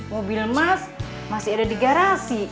mobil emas masih ada di garasi